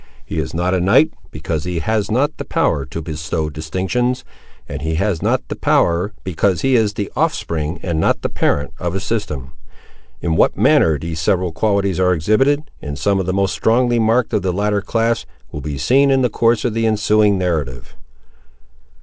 He is not a knight, because he has not the power to bestow distinctions; and he has not the power, because he is the offspring and not the parent of a system. In what manner these several qualities are exhibited, in some of the most strongly marked of the latter class, will be seen in the course of the ensuing narrative.